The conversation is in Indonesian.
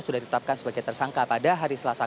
sudah ditetapkan sebagai tersangka pada hari selasa